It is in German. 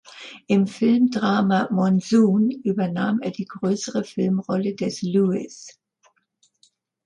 Im Filmdrama "Monsoon" übernahm er die größere Filmrolle des "Lewis".